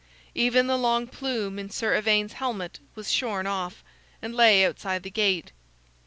Even the long plume in Sir Ivaine's helmet was shorn off, and lay outside the gate.